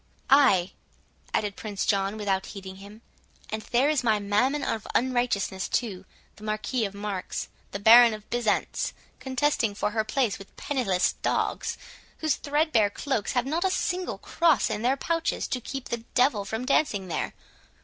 "Ay!" added Prince John, without heeding him, "and there is my Mammon of unrighteousness too—the Marquis of Marks, the Baron of Byzants, contesting for place with penniless dogs, whose threadbare cloaks have not a single cross in their pouches to keep the devil from dancing there.